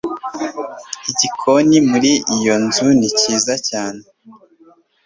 Igikoni muri iyo nzu ni cyiza cyane